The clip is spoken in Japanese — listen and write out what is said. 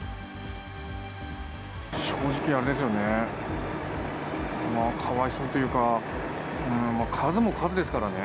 正直、あれですよね、かわいそうというか、数も数ですからね。